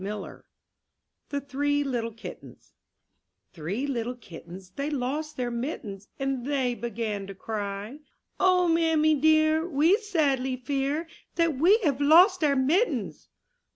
^4 I N THE NURSERY THREE LITTLE KITTENS nPHREE little kittens they lost their mittens, ■ And they began to cry: *'0h ! mammy dear, We sadly fear That we have lost our mittens."